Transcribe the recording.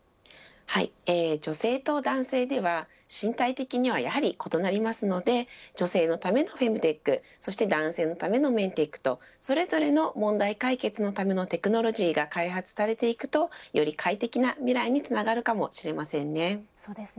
女性と男性では、身体的にはやはり異なりますので女性のためのフェムテックそして男性のためのメンテックとそれぞれの問題解決のためのテクノロジーが開発されていくとより快適な未来につながるかもしれませんね。